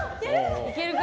いけるか？